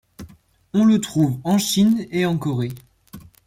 On le trouve en Chine et en Corée.